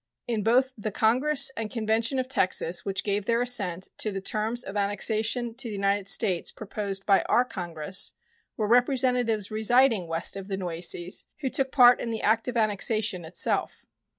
In both the Congress and convention of Texas which gave their assent to the terms of annexation to the United States proposed by our Congress were representatives residing west of the Nueces, who took part in the act of annexation itself.